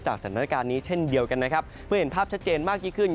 จากสถานการณ์นี้เช่นเดียวกันเพื่อเห็นภาพชัดเจนมากขึ้น